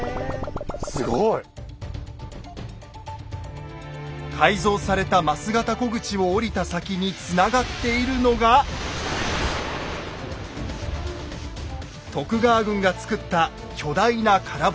すごい！改造された枡形虎口を下りた先につながっているのが徳川軍が造った巨大な空堀です。